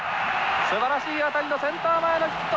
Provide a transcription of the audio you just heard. すばらしい当たりのセンター前のヒット。